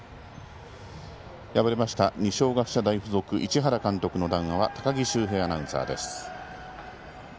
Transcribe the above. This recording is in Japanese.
敗れました、二松学舎大付属市原監督の談話は高木修平アナウンサーです。